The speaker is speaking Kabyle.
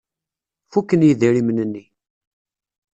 Fuken yidrimen-nni.